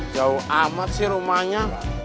jauh amat sih rumahnya